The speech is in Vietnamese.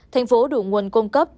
thành phố đủ nguồn cung cấp